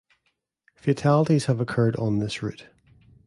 Fatalities have occurred on this route.